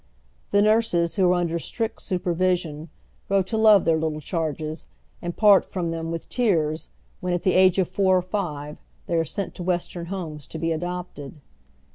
The nui ses, who are under strict supervision, grow to love their little charges and part from them with tears when, at the age of four or five, they are sent to Western homes to be adopted.